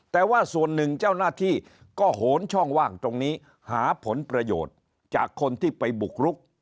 แต่ว่าส่วนหนึ่งเจ้าหน้าที่ก็โหนช่องว่างตรงนี้หาผลประโยชน์จากคนที่ไปบุกรุก